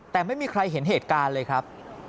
แต่ไม่มีใครเห็นเหตุการณ์เลยครับ